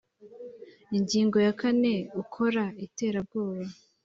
ingingo ya kane ukora iterabwoba